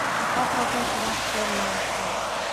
کوښښ وکړئ چې مخ تور نه اوسئ.